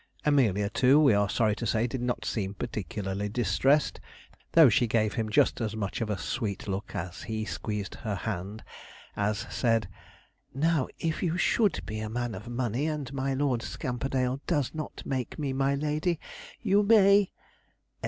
Amelia too, we are sorry to say, did not seem particularly distressed, though she gave him just as much of a sweet look as he squeezed her hand, as said, 'Now, if you should be a man of money, and my Lord Scamperdale does not make me my lady, you may,' &c.